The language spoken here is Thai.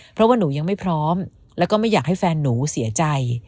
เพราะว่าหนูยังไม่พร้อมแล้วก็ไม่อยากให้แฟนหนูเสียใจ